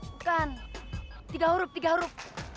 bukan tiga huruf tiga huruf